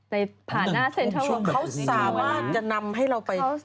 ในผ่านหน้าเซ็นเทอร์เวิร์ดเขาสามารถจะนำให้เราไป